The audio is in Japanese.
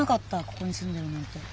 ここに住んでるなんて。